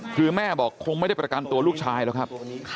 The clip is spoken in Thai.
คือแม่บอกคงไม่ได้ประกันตัวลูกชายแล้วครับ